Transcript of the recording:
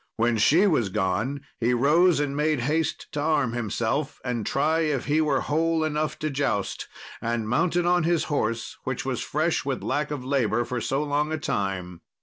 When she was gone he rose and made haste to arm himself, and try if he were whole enough to joust, and mounted on his horse, which was fresh with lack of labour for so long a time.